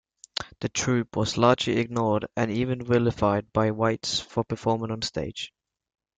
The troupe was largely ignored and even vilified by whites for performing on stage.